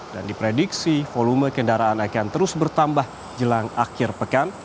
dan diprediksi volume kendaraan akan terus bertambah jelang akhir pekan